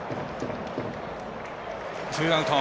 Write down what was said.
ツーアウト。